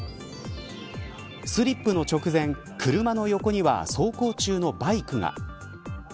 スリップの直前、車の横には走行中のバイクが。